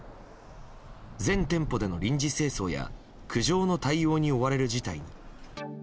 全店舗での臨時清掃や苦情の対応に追われる事態に。